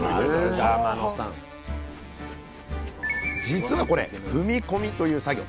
実はこれ「踏み込み」という作業。